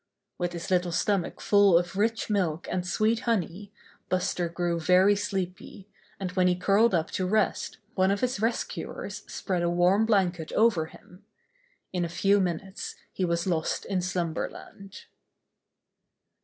With his little stomach full of rich milk and sweet honey, Buster grew very sleepy, and when he curled up to rest one of his rescuers spread a warm blanket over him. In a few minutes he was lost in slumberland.